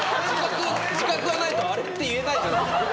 自覚がないとあれって言えないじゃないですか。